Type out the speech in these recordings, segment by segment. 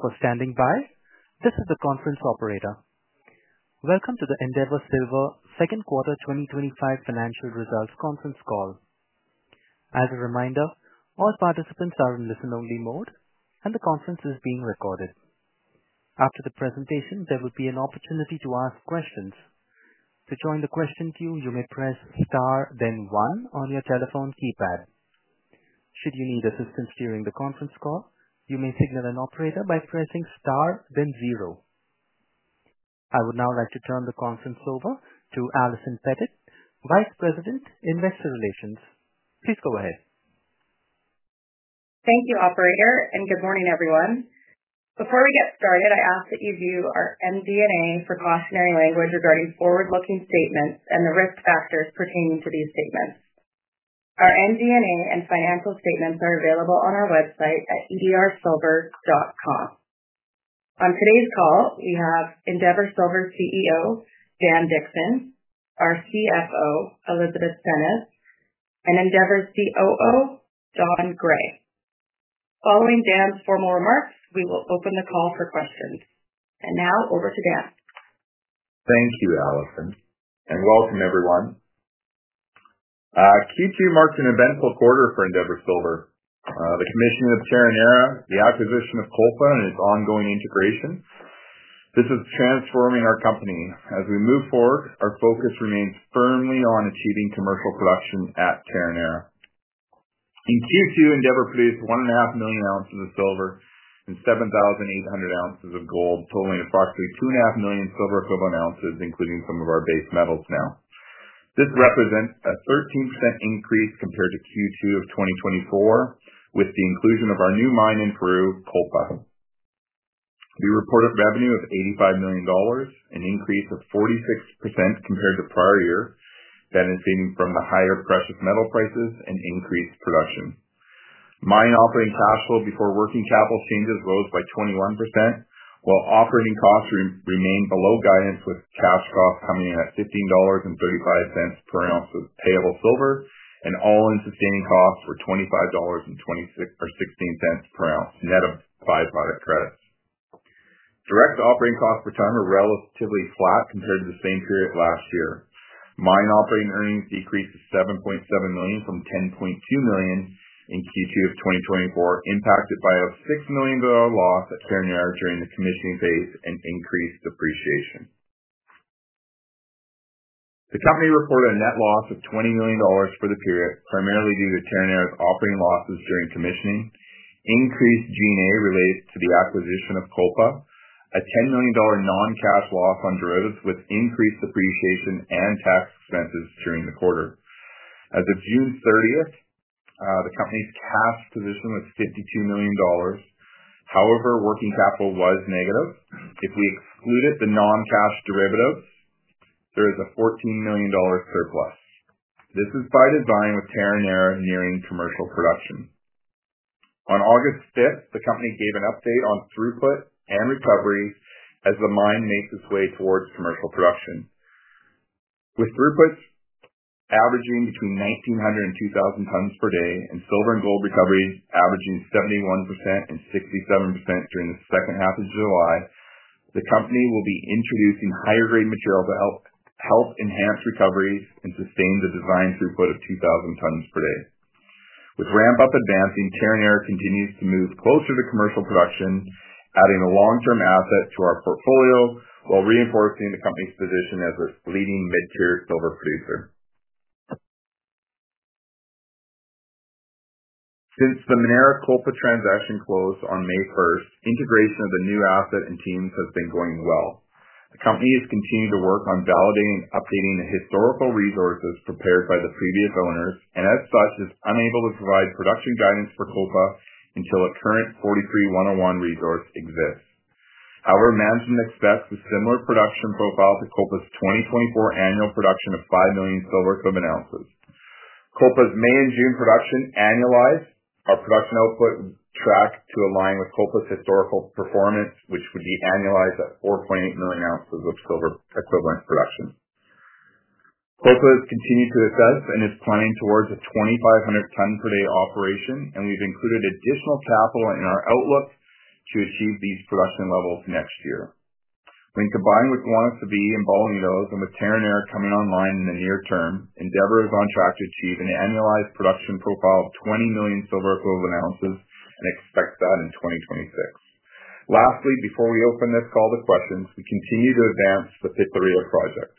For standing by, this is the conference operator. Welcome to the Endeavour Silver's Second Quarter 2025 Financial Results Conference Call. As a reminder, all participants are in listen-only mode, and the conference is being recorded. After the presentation, there will be an opportunity to ask questions. To join the question queue, you may press star, then one on your telephone keypad. Should you need assistance during the conference call, you may signal an operator by pressing star, then zero. I would now like to turn the conference over to Allison Pettit, Vice President, Investor Relations. Please go ahead. Thank you, operator, and good morning, everyone. Before we get started, I ask that you view our MD&A precautionary language regarding forward-looking statements and the risk factors pertaining to these statements. Our MD&A and financial statements are available on our website at edrsilver.com. On today's call, we have Endeavour Silver CEO, Dan Dickson, our CFO, Elizabeth Senez, and Endeavour COO, Donald Gray. Following Dan's formal remarks, we will open the call for questions. Now, over to Dan. Thank you, Allison, and welcome, everyone. Q2 marks an eventful quarter for Endeavour Silver Corp. The commissioning of Terronera, the acquisition of Kolpa and its ongoing integration, this is transforming our company. As we move forward, our focus remains firmly on achieving commercial production at Terronera. In Q2, Endeavour produced 1.5 million oz of silver and 7,800 oz of gold, totaling approximately 2.5 million silver equivalent ounces, including some of our base metals now. This represents a 13% increase compared to Q2 of 2024, with the inclusion of our new mine in Peru, Kolpa. We report a revenue of 85 million dollars, an increase of 46% compared to prior year, benefiting from the higher precious metal prices and increased production. Mine operating cash flow before working capital changes lowers by 21%, while operating costs remain below guidance with cash costs coming in at 15.35 dollars per ounce of payable silver and all-in sustaining costs for 25.26 per ounce, net of byproduct credits. Direct operating costs per ton are relatively flat compared to the same period of last year. Mine operating earnings decreased to 7.7 million from 10.2 million in Q2 of 2024, impacted by a 6 million dollar loss at Terronera during the commissioning phase and increased depreciation. The company reported a net loss of 20 million dollars for the period, primarily due to Terronera's operating losses during commissioning. Increased G&A relates to the acquisition of Kolpa, a 10 million dollar non-cash loss on derivatives, with increased depreciation and tax expenses during the quarter. As of June 30th, the company's cash position was 52 million dollars. However, working capital was negative. If we excluded the non-cash derivatives, there is a 14 million dollar surplus. This is by design with Terronera nearing commercial production. On August 5th, the company gave an update on throughput and recovery as the mine made its way towards commercial production. With throughputs averaging between 1,900-2,000 tons per day and silver and gold recoveries averaging 71% and 67% during the second half of July, the company will be introducing higher-grade material to help enhance recoveries and sustain the design throughput of 2,000 tons per day. With ramp-up advancing, Terronera continues to move closer to commercial production, adding a long-term asset to our portfolio while reinforcing the company's position as a leading mid-tier silver producer. Since the Minera Kolpa transaction closed on May 1, integration of the new asset and teams has been going well. The company has continued to work on validating and updating the historical resources prepared by the previous owners and, as such, is unable to provide production guidance for Kolpa until a current 43-101 resource exists. Our management expects a similar production profile to Kolpa's 2024 annual production of 5 million silver equivalent ounces, Kolpa's May and June production annualized. Our production output tracks to align with Kolpa's historical performance, which would be annualized at 4.8 million oz of silver equivalent production. Kolpa has continued to assess and is planning towards a 2,500-ton per day operation, and we've included additional capital in our outlook to achieve these production levels next year. When combined with the launch of Terronera and Bolañitos and with Terronera coming online in the near term, Endeavour is on track to achieve an annualized production profile of 20 million silver equivalent ounces and expects that in 2026. Lastly, before we open this call to questions, we continue to advance the Pitarrilla project.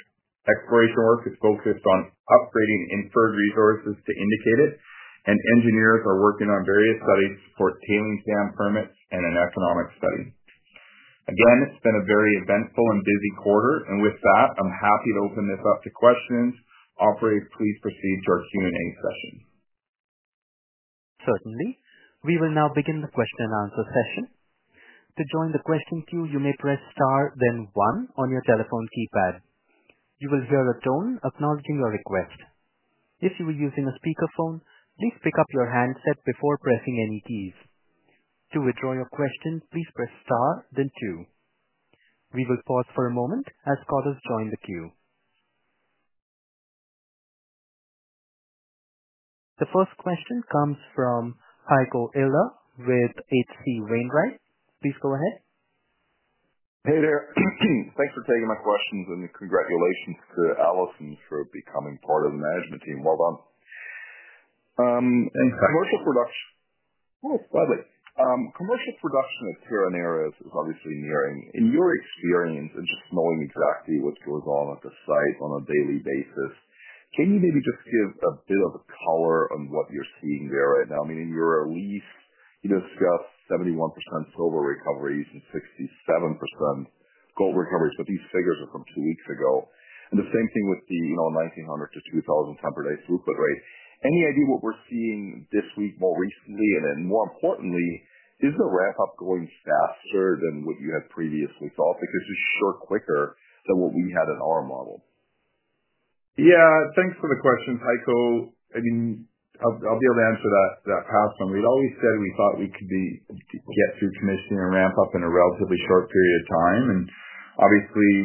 Exploration work is focused on upgrading inferred resources to indicated, and engineers are working on various studies for tailings dam permits and an economic study. Again, it's been a very eventful and busy quarter, and with that, I'm happy to open this up to questions. Operator, please proceed to our Q&A session. Certainly. We will now begin the question and answer session. To join the question queue, you may press star, then one on your telephone keypad. You will hear a tone acknowledging your request. If you are using a speakerphone, please pick up your handset before pressing any keys. To withdraw your question, please press star, then two. We will pause for a moment as callers join the queue. The first question comes from Heiko Ihle with H.C. Wainwright. Please go ahead. Hey there. Thanks for taking my questions and congratulations to Allison for becoming part of the management team. Well done in commercial production. Oh, it's glad to hear that. Commercial production at Terronera is obviously nearing. In your experience and just knowing exactly what goes on at the site on a daily basis, can you maybe just give a bit of a color on what you're seeing there right now? I mean, in your release, you discussed 71% silver recoveries and 67% gold recoveries, but these figures are from two weeks ago. The same thing with the 1,900-2,000 tons per day throughput rate. Any idea what we're seeing this week more recently? More importantly, is the ramp-up going faster than what you had previously thought? Because this is sure quicker than what we had in our model. Yeah, thanks for the question, Heiko. I'll be able to answer that summary. We'd always said we thought we could get through commissioning and ramp-up in a relatively short period of time.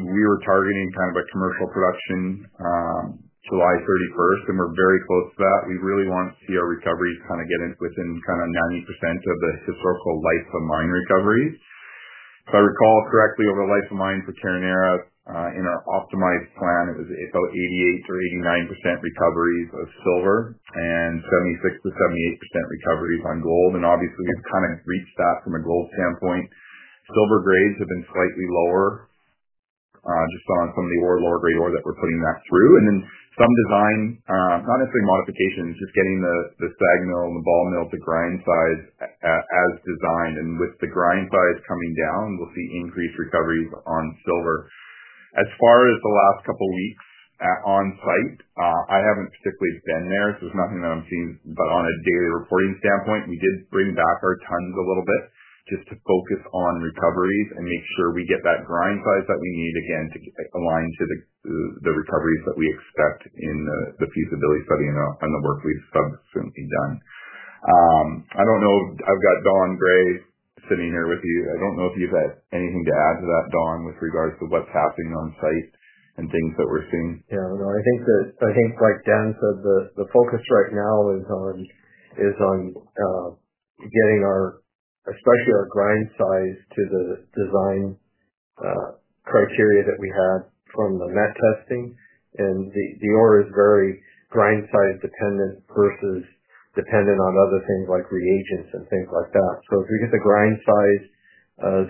We were targeting kind of a commercial production, July 31st, and we're very close to that. We really want to see our recoveries get within 90% of the supergoal lifetime mine recoveries. If I recall correctly, over lifetime mines for Terronera, in our optimized plan, it was about 88%-89% recoveries of silver and 76%-78% recoveries on gold. We've reached that from a gold standpoint. Silver grades have been slightly lower, just on some of the lower grade ore that we're putting through. There have been some design, not necessarily modifications, just getting the SAG mill and the ball mill, the grind size, as designed. With the grind size coming down, we'll see increased recoveries on silver. As far as the last couple of weeks, on site, I haven't particularly been there, so there's nothing that I'm seeing. On a daily reporting standpoint, we did bring back our tons a little bit just to focus on recoveries and make sure we get that grind size that we need again to align to the recoveries that we expect in the feasibility study and the work we've subsequently done. I don't know if I've got Donald Gray sitting here with me. I don't know if you've had anything to add to that, Don, with regards to what's happening on site and things that we're seeing. Yeah, no, I think that, I think like Dan said, the focus right now is on getting our, especially our grind size to the design criteria that we had from the met testing. The ore is very grind size dependent versus dependent on other things like reagents and things like that. If we get the grind size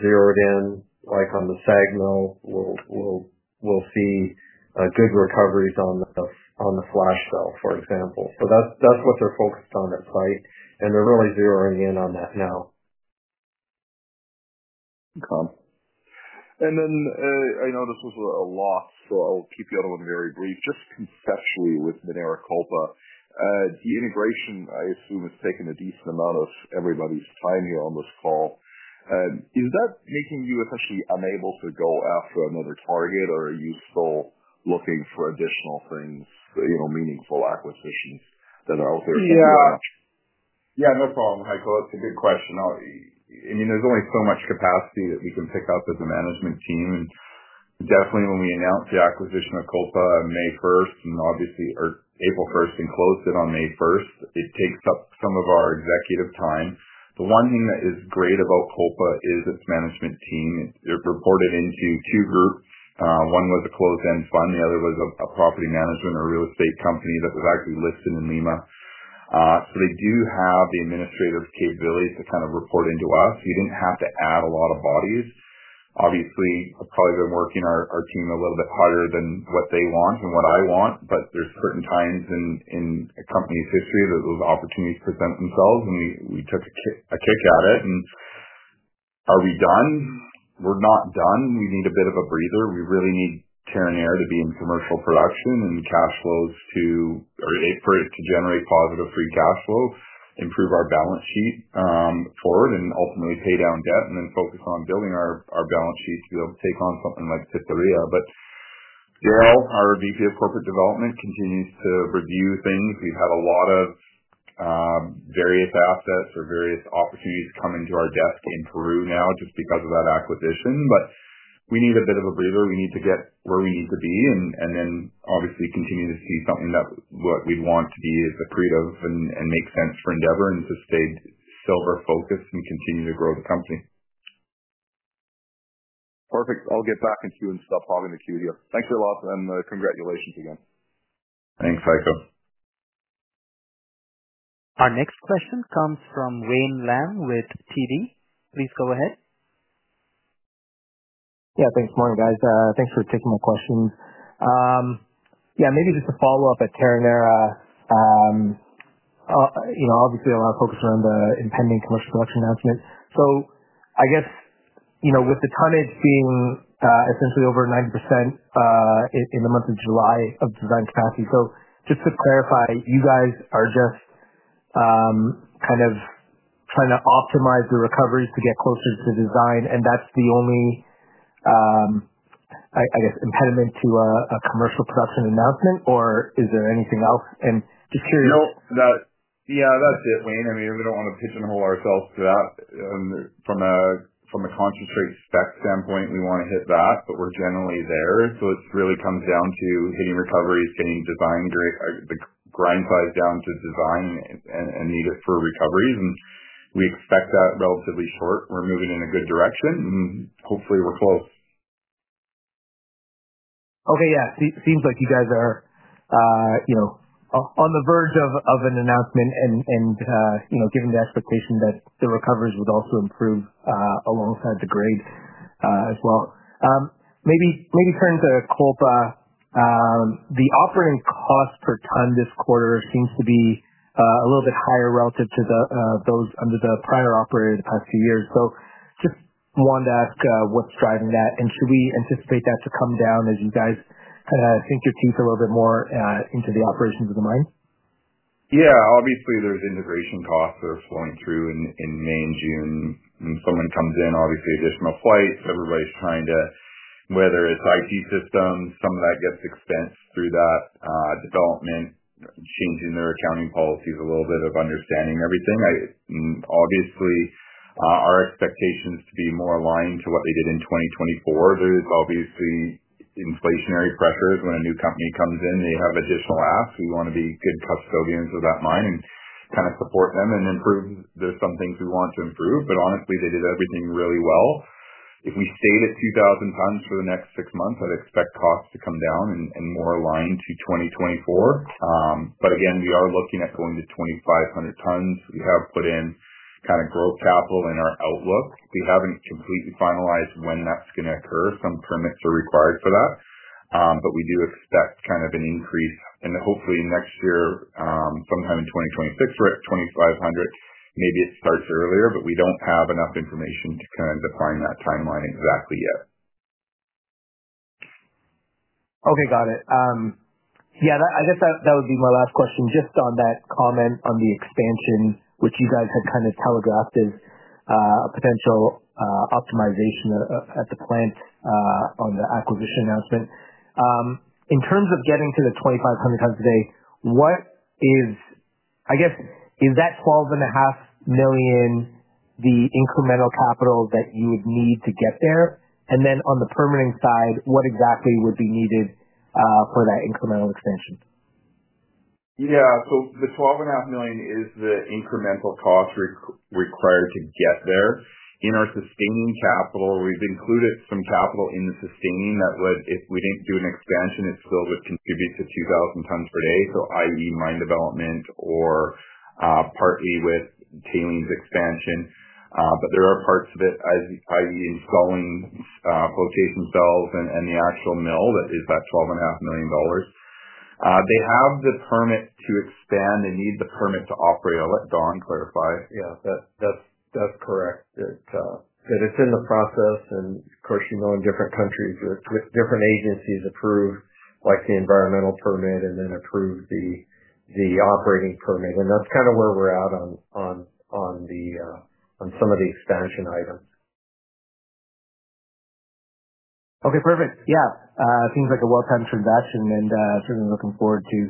zeroed in, like on the SAG mill, we'll see good recoveries on the flash cell, for example. That's what they're focused on at site, and they're really zeroing in on that now. Okay. I know this was a lot, so I'll keep the other one very brief. Just conceptually, with Minera Kolpa, the integration, I assume, has taken a decent amount of everybody's time on this call. Is that making you essentially unable to go after another target, or are you still looking for additional things, you know, meaningful acquisitions that are out there? Yeah. Yeah, no problem, Heiko. It's a good question. I mean, there's only so much capacity that we can pick up as a management team. Definitely, when we announce the acquisition of Kolpa on May 1st, and obviously, April 1st and close it on May 1st, it takes up some of our executive time. The one thing that is great about Kolpa is its management team. It reported into two groups. One was a closed-end fund. The other was a property management or real estate company that was actually listed in Lima. They do have the administrative capabilities to kind of report into us. You didn't have to add a lot of bodies. Obviously, I've probably been working our team a little bit harder than what they want and what I want. There are certain times in a company's history that those opportunities present themselves, and we took a kick at it. Are we done? We're not done. We need a bit of a breather. We really need Terronera to be in commercial production and cash flows to, or for it to generate positive free cash flow, improve our balance sheet, forward, and ultimately pay down debt, and then focus on building our balance sheets to be able to take on something like Pitarrilla. [Dale Mah], our VP of Corporate Development, continues to review things. We have a lot of various assets or various opportunities to come into our desk in Peru now just because of that acquisition. We need a bit of a breather. We need to get where we need to be and then obviously continue to see something that what we'd want to be is accretive and make sense for Endeavour and to stay silver-focused and continue to grow the company. Perfect. I'll get back in queue and stop hogging the queue here. Thanks a lot, and congratulations again. Thanks, Heiko. Our next question comes from Wayne Lam with TD Securities. Please go ahead. Yeah, thanks, morning, guys. Thanks for taking my question. Maybe just a follow-up at Terronera. Obviously, a lot of focus around the impending commercial production management. I guess, you know, with the tonnage being essentially over 90% in the month of July of design capacity, just to clarify, you guys are just kind of trying to optimize the recoveries to get closer to the design, and that's the only, I guess, impediment to a commercial production announcement, or is there anything else? Just curious. No, that's it, Wayne. I mean, we don't want to pigeonhole ourselves throughout. From a concrete spec standpoint, we want to hit that, but we're generally there. It really comes down to hitting recoveries, getting the grind size down to design and needed for recoveries. We expect that relatively short. We're moving in a good direction, and hopefully, we're close. Okay, yeah. Seems like you guys are on the verge of an announcement, and given the expectation that the recoveries would also improve alongside the grade as well. Maybe turning to Kolpa, the operating cost per ton this quarter seems to be a little bit higher relative to those under the prior operator the past few years. Just wanted to ask what's driving that, and should we anticipate that to come down as you guys sink your teeth a little bit more into the operations of the mine? Yeah, obviously, there's integration costs that are flowing through in May and June. Someone comes in, obviously, it hits them a flight. Everybody's trying to, whether it's IT systems, some of that gets expensed through that development, changing their accounting policies, a little bit of understanding everything. Obviously, our expectations to be more aligned to what they did in 2024. There's obviously inflationary pressures when a new company comes in. They have additional asks. We want to be good custodians of that mine and kind of support them and improve. There's some things we want to improve, but honestly, they did everything really well. If we stayed at 2,000 tons for the next six months, I'd expect costs to come down and more aligned to 2024. We are looking at going to 2,500 tons. We have put in kind of growth capital in our outlook. We haven't completely finalized when that's going to occur if some permits are required for that. We do expect kind of an increase. Hopefully, next year, sometime in 2026, we're at 2,500. Maybe it starts earlier, but we don't have enough information to kind of define that timeline exactly yet. Okay, got it. I guess that would be my last question. Just on that comment on the expansion, which you guys have kind of telegraphed as a potential optimization at the plant on the acquisition announcement. In terms of getting to the 2,500 tons today, is that 12.5 million the incremental capital that you would need to get there? Then on the permitting side, what exactly would be needed for that incremental expansion? Yeah, so the 12.5 million is the incremental cost required to get there. In our sustaining capital, we've included some capital in the sustaining that would, if we didn't do an expansion, it still would contribute to 2,000 tons per day, i.e., mine development or partly with tailings expansion. There are parts of it, i.e., installing pull casing cells and the actual mill, that is that 12.5 million dollars. They have the permit to expand. They need the permit to operate. I'll let Don clarify. Yeah, that's correct. It's in the process. Of course, you know, in different countries, it's with different agencies approved, like the environmental permit and then approved the operating permit. That's kind of where we're at on some of the expansion items. Okay, perfect. Yeah, seems like a well-timed transaction and certainly looking forward to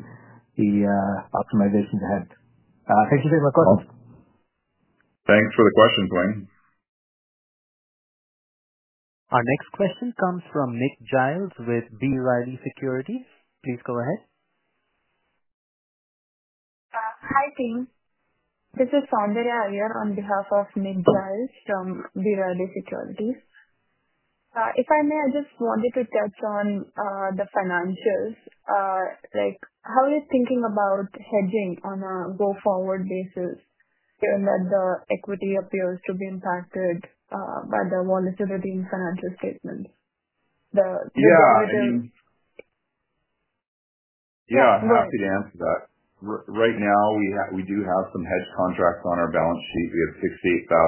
the optimizations ahead. Thank you very much, guys. Thanks for the questions, Wayne. Our next question comes from Nick Giles with B. Riley Securities. Please go ahead. Hi, team. This is Soundarya Iyer on behalf of Nick Giles from B. Riley Securities. If I may, I just wanted to touch on the financials. How are you thinking about hedging on a go-forward basis given that the equity appears to be impacted by the volatility in financial statements? Yeah, I'm happy to answer that. Right now, we do have some hedge contracts on our balance sheet. We have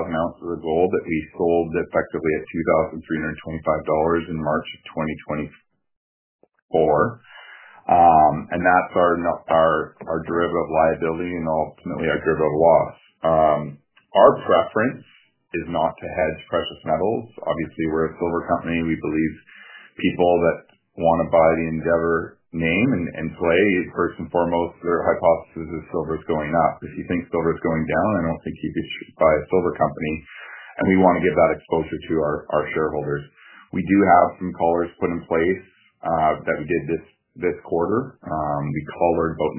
68,000 oz of gold that we sold effectively at 2,325 dollars in March of 2024. That's our derivative liability and ultimately our derivative loss. Our preference is not to hedge precious metals. Obviously, we're a silver company. We believe people that want to buy the Endeavour name and play, first and foremost, their hypothesis is silver is going up. If you think silver is going down, I don't think you should buy a silver company. We want to give that exposure to our shareholders. We do have some collars put in place that we did this quarter. We collared about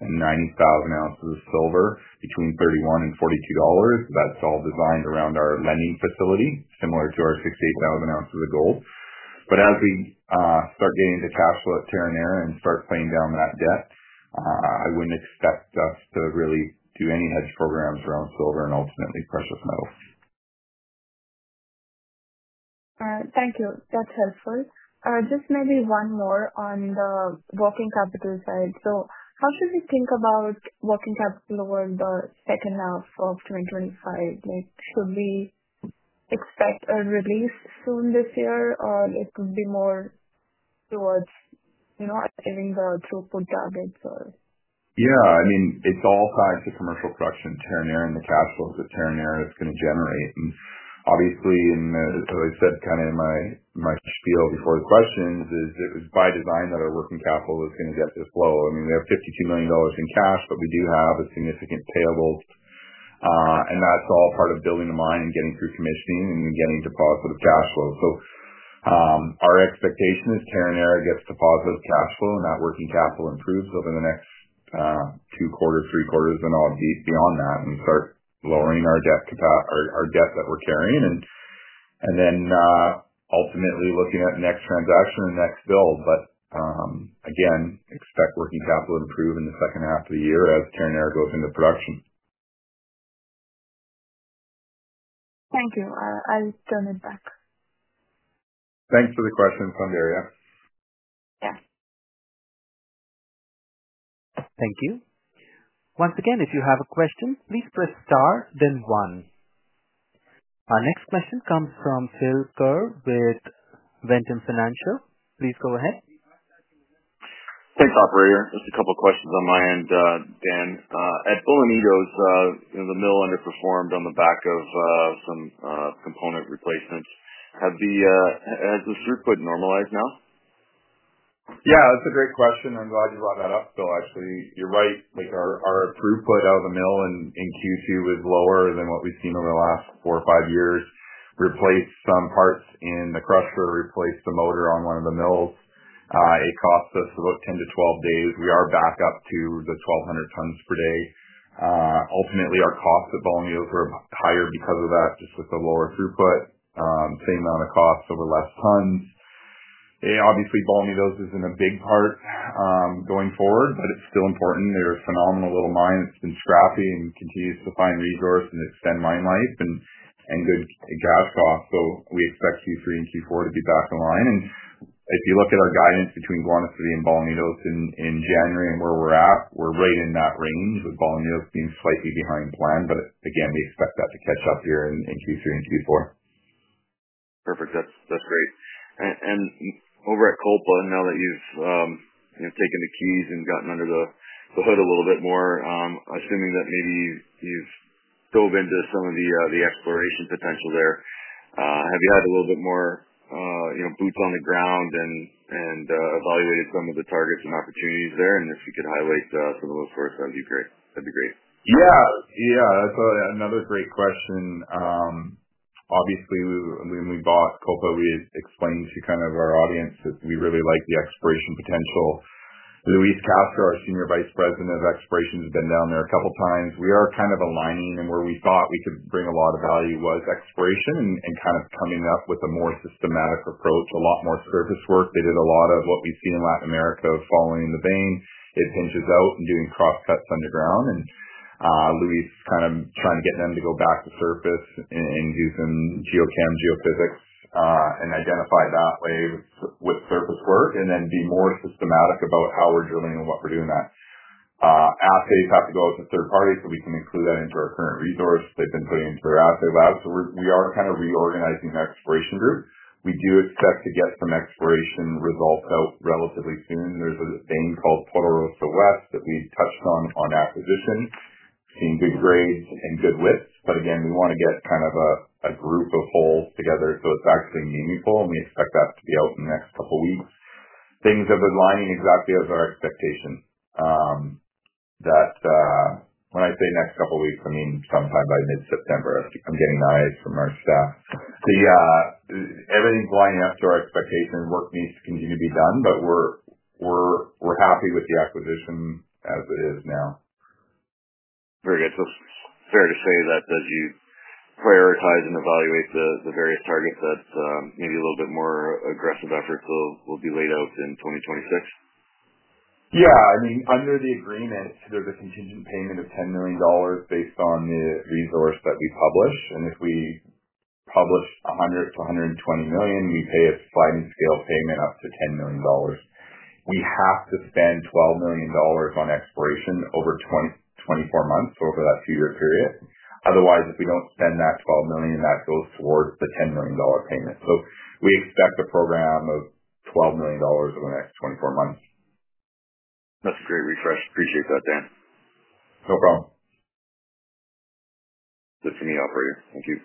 990,000 oz of silver between 31-42 dollars. That's all designed around our lending facility, similar to our 68,000 oz of gold. As we start getting into cash flow at Terronera and start paying down that debt, I wouldn't expect us to really do any hedge programs around silver and ultimately precious metals. Thank you. That's helpful. Maybe one more on the working capital side. How should we think about working capital over the second half of 2025? Should we expect a release soon this year, or could it be more towards achieving the throughput targets? Yeah, I mean, it's all tied to commercial production at Terronera and the cash flows that Terronera is going to generate. Obviously, as I said in my spiel before the questions, it's by design that our working capital is going to get this low. I mean, we have 52 million dollars in cash, but we do have a significant payable. That's all part of building the mine and getting through commissioning and getting to positive cash flow. Our expectation is Terronera gets to positive cash flow and that working capital improves over the next two quarters, three quarters, and all beyond that. We start lowering our debt that we're carrying. Ultimately, looking at next transaction and next build. Again, expect working capital to improve in the second half of the year as Terronera goes into production. Thank you. I do not know that. Thanks for the question, Soundarya. Yeah. Thank you. Once again, if you have a question, please press star, then one. Our next question comes from Phil Ker with Ventum Financial. Please go ahead. Thanks, operator. Just a couple of questions on my end. Dan, at Bolañitos, the mill underperformed on the back of some component replacements. Has the throughput normalized now? Yeah, that's a great question. I'm glad you brought that up, though. Actually, you're right. Our throughput out of the mill in Q2 was lower than what we've seen over the last four or five years. Replaced some parts in the crusher, replaced the motor on one of the mills. It cost us about 10-12 days. We are back up to the 1,200 tons per day. Ultimately, our costs at Bolañitos are higher because of that, just with the lower throughput. Same amount of costs over less tons. Yeah, obviously, Bolañitos isn't a big part, going forward, but it's still important. They're a phenomenal little mine that's been scrappy and continues to find resource and extend mine life and good cash costs. We expect Q3 and Q4 to be back online. If you look at our guidance between Guanaceví and Bolañitos in January and where we're at, we're right in that range with Bolañitos being slightly behind plan. Again, we expect that to catch up here in Q3 and Q4. Perfect. That's great. Over at Kolpa, now that you've taken the keys and gotten under the hood a little bit more, assuming that maybe you've dove into some of the exploration potential there, have you had a little bit more boots on the ground and evaluated some of the targets and opportunities there? If you could highlight some of those for us, that'd be great. Yeah, that's probably another great question. Obviously, when we bought Kolpa, we explained to kind of our audience that we really liked the exploration potential. Luis Castro Valdez, our Senior Vice President of Exploration, has been down there a couple of times. We are kind of aligning, and where we thought we could bring a lot of value was exploration and coming up with a more systematic approach, a lot more surface work. They did a lot of what we've seen in Latin America following the vein. It hinges out in doing cross cuts underground. Luis is kind of trying to get them to go back to surface and do some geochem, geophysics, and identify that way with surface work and then be more systematic about how we're drilling and what we're doing. Assays have to go as a third party, so we can exclude that into our current resource they've been putting into their assay lab. We are kind of reorganizing the exploration group. We do expect to get some exploration results out relatively soon. There's a vein called Portorosa West that we've touched on on acquisition. We've seen good grades and good widths. We want to get a group of holes together so it's actually meaningful. We expect that to be out in the next couple of weeks. Things have been lining exactly as our expectation. When I say next couple of weeks, I mean sometime by mid-September. I'm getting eyes from our staff. Everything's lining up to our expectation. Work needs to continue to be done, but we're happy with the acquisition as it is now. Very good. Fair to say that as you prioritize and evaluate the various targets, maybe a little bit more aggressive efforts will be laid out in 2026? Yeah. Under the agreement, there's a contingent payment of 10 million dollars based on the resource that we publish. If we publish 100 million-120 million, we pay a sliding scale payment up to 10 million dollars. We have to spend 12 million dollars on exploration over 24 months over that two-year period. Otherwise, if we don't spend that CAD 12 million, that goes towards the CAD 10 million payment. We expect a program of CAD 12 million over the next 24 months. That's a great refresh. Appreciate that, Dan. No problem. That's for me, operator. Thank you.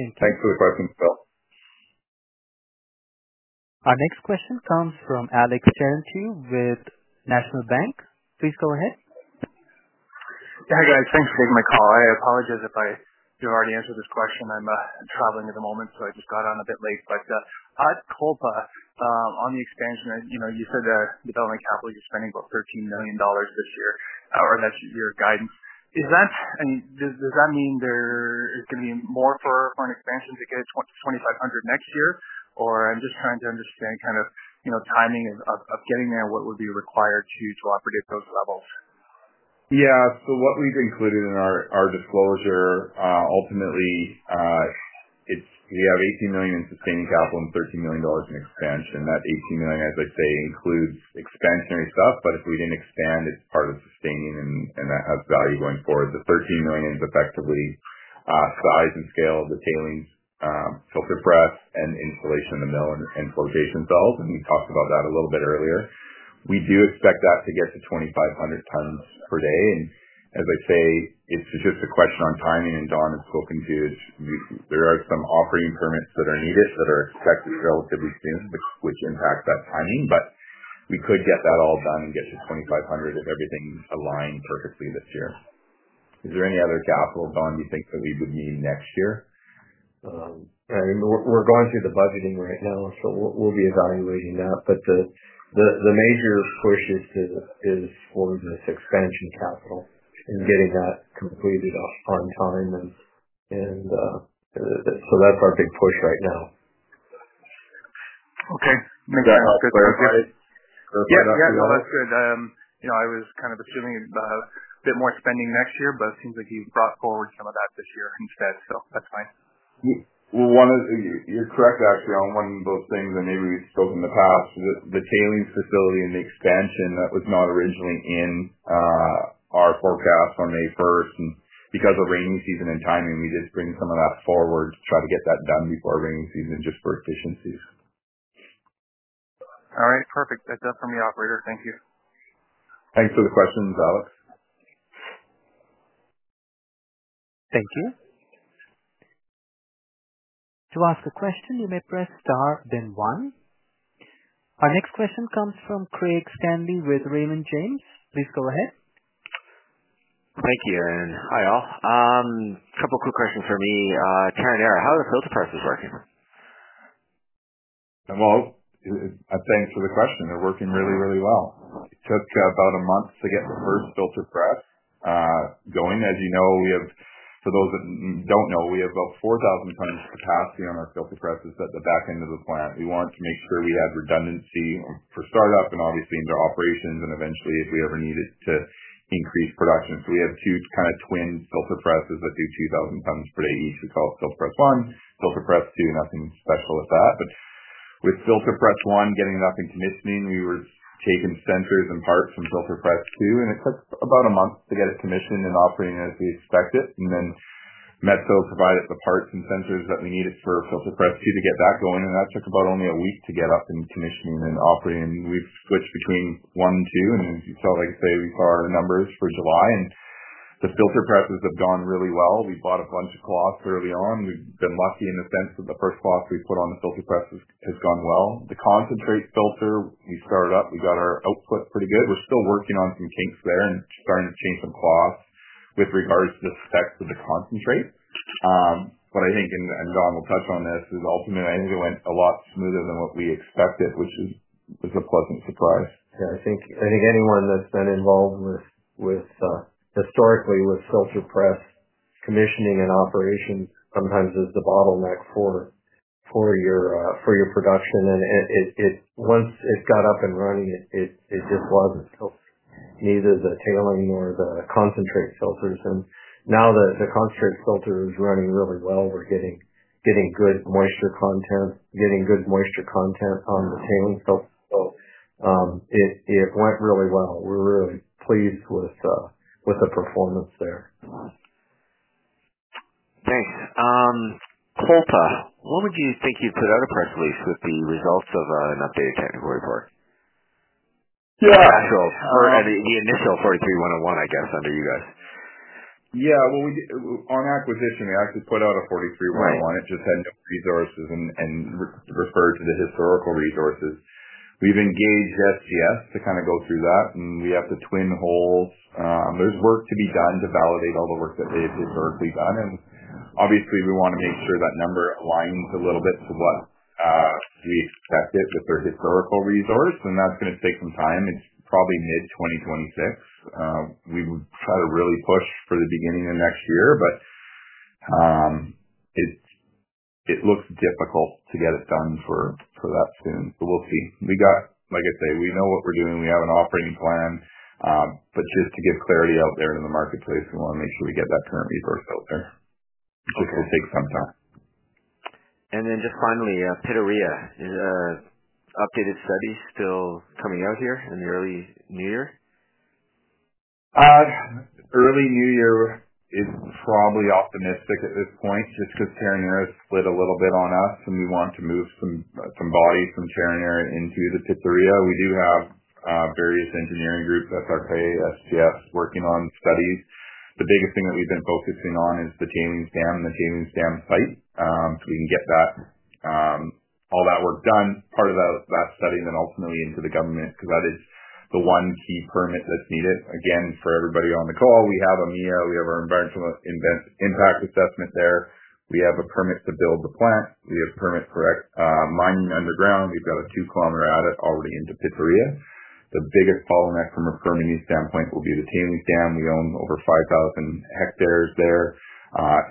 And thanks for the question, Phil. Our next question comes from Alexander Terentiew with National Bank. Please go ahead. Yeah, hey guys, thanks for taking my call. I apologize if I already answered this question. I'm traveling at the moment, so I just got on a bit late. At Kolpa, on the expansion, you said the development capital, you're spending about 13 million dollars this year, or that's your guidance. Is that, and does that mean there is going to be more for an expansion to get to 2,500 next year? I'm just trying to understand kind of timing of getting there and what would be required to drop or dip those levels. Yeah, so what we've included in our disclosure, ultimately, it's we have 18 million in sustaining capital and 13 million dollars in expansion. That 18 million, as I say, includes expansionary stuff, but if we didn't expand, it's part of sustaining, and that has value going forward. The 13 million is effectively size and scale of the tailings, filter press, and installation of the mill and for adjacent cells. We talked about that a little bit earlier. We do expect that to get to 2,500 tons per day. As I say, it's just a question on timing, and Don is hoping to, there are some offering permits that are needed that are expected relatively soon, which impacts that timing. We could get that all done and get to 2,500 with everything aligned perfectly this year. Is there any other capital, Don, you think that we would need next year? I mean, we're going through the budgeting right now, so we'll be evaluating that. The major, of course, is for this expansion capital and getting that completed on time, so that's our big push right now. Guys, that's good. I was kind of assuming a bit more spending next year, but it seems like you brought forward some of that this year instead, so that's fine. One of. You're correct, actually, on one of those things that maybe we spoke in the past. The tailings facility and the expansion, that was not originally in our forecast on May 1st. Because of rainy season and timing, we just bring some of that forward to try to get that done before rainy season just for efficiencies. All right, perfect. That's it from me, operator. Thank you. Thanks for the questions, Alexander. Thank you. To ask a question, you may press star, then one. Our next question comes from Craig Stanley with Raymond James. Please go ahead. Thank you, Aaron. Hi all. A couple of quick questions for me. Terronera, how are the filter presses working? Thanks for the question. They're working really, really well. It took about a month to get the first filter press going. As you know, for those that don't know, we have about 4,000 tons of capacity on our filter presses at the back end of the plant. We want to make sure we add redundancy for startup and obviously into operations and eventually if we ever needed to increase production. We have huge kind of twin filter presses that do 2,000 tons per day each as well as filter press one. Filter press two, nothing special with that. With filter press one, getting it up in commissioning, we were taking sensors and parts from filter press two, and it took about a month to get it commissioned and operating as we expected. Metso provided the parts and sensors that we needed for filter press two to get that going, and that took about only a week to get up in commissioning and operating. We've switched between one and two, and as you saw, like I say, we saw our numbers for July, and the filter presses have gone really well. We bought a bunch of cloths early on. We've been lucky in the sense that the first cloth we put on the filter press has gone well. The concentrate filter, we started up, we got our output pretty good. We're still working on some kinks there and starting to change some cloths with regards to the specs of the concentrate. I think, and Don will touch on this, ultimately, I think it went a lot smoother than what we expected, which is a pleasant surprise. I think anyone that's been involved historically with filter press commissioning and operation knows it sometimes is the bottleneck for your production. Once it's got up and running, it just wasn't. Neither the tailing nor the concentrate filters. Now the concentrate filter is running really well. We're getting good moisture content, getting good moisture content on the tailing filter. It went really well. We're really pleased with the performance there. Thanks. [Then, ah], when would you think you'd put out a press release with the results of an updated technical report? Yeah. The initial 43-101, I guess, under you guys. Yeah, we did on acquisition, we actually put out a 43-101. It just had no resources and referred to the historical resources. We've engaged SCS to kind of go through that, and we have the twin holes. There's work to be done to validate all the work that they've historically done. Obviously, we want to make sure that number aligns a little bit to what we expected with their historical resource. That's going to take some time. It's probably mid-2026. We would try to really push for the beginning of next year, but it looks difficult to get it done for that soon. We'll see. Like I say, we know what we're doing. We have an offering plan, but just to get clarity out there in the marketplace, we want to make sure we get that current resource out there, which will take some time. Is an updated study for Pitarrilla still coming out here in the early new year? Early new year is probably optimistic at this point, just because Terronera has split a little bit on us, and we want to move some bodies from Terronera into the Pitarrilla. We do have various engineering groups at [Peru], SDS working on studies. The biggest thing that we've been focusing on is the tailings dam and the tailings dam site. We can get all that work done, part of that study then ultimately into the government because that is the one key permit that's needed. Again, for everybody on the call, we have AMIA, we have our environmental impact assessment there. We have a permit to build the plant. We have permits for mining underground. We've got a two-kilometer adit already into Pit area. The biggest bottleneck from a permitting standpoint will be the tailings dam. We own over 5,000 hectares there.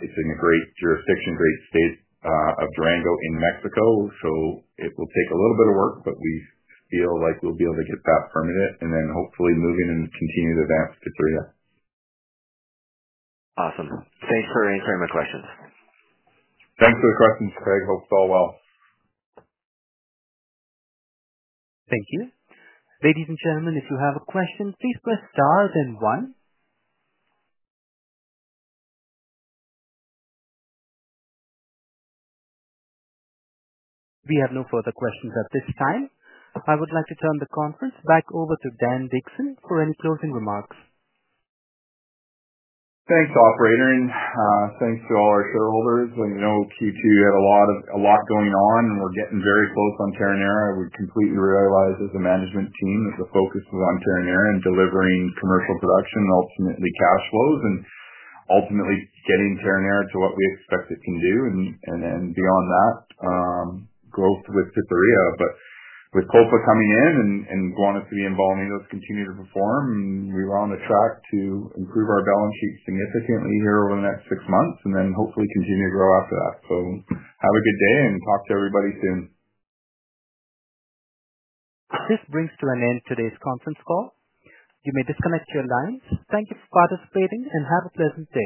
It's in the great jurisdiction, great state, of Durango in Mexico. It will take a little bit of work, but we feel like we'll be able to get that permitted and then hopefully move in and continue to advance Pitarrilla. Awesome. Thanks for answering my questions. Thanks for the questions, Craig. Hope it's all well. Thank you. Ladies and gentlemen, if you have a question, please press star, then one. We have no further questions at this time. I would like to turn the conference back over to Dan Dickson for any closing remarks. Thanks, operator. Thanks to all our shareholders. It seems to be we have a lot going on, and we're getting very close on Terronera. We're completely realized as a management team that the focus was on Terronera and delivering commercial production, ultimately cash flows, and ultimately getting Terronera to what we expect it can do and beyond that, growth with Pitarrilla. With Kolpa coming in and Guanaceví and Bolañitos continue to perform, we were on a track to improve our balance sheet significantly here over the next six months and then hopefully continue to grow after that. Have a good day and talk to everybody soon. This brings to an end today's conference call. You may disconnect your lines. Thank you for participating and have a pleasant day.